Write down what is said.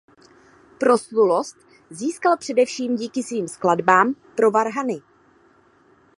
Proslulost získal především díky svým skladbám pro varhany.